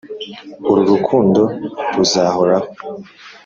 uru rukundo ruzahoraho